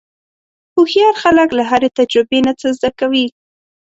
هوښیار خلک له هرې تجربې نه څه زده کوي.